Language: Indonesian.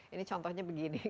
ini contohnya begini